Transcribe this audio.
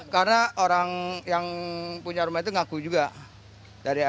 karena orang yang punya rumah itu ngaku juga